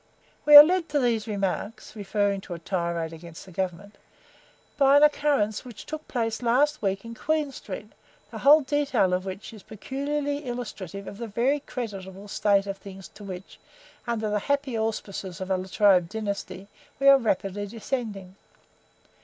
"We are led to these remarks (referring to a tirade against the Government) by an occurrence that took place last week in Queen Street, the whole detail of which is peculiarly illustrative of the very creditable state of things, to which, under the happy auspices of a La Trobe dynasty, we are rapidly descending.